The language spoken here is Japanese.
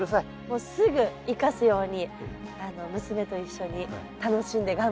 もうすぐ生かすように娘と一緒に楽しんで頑張ります。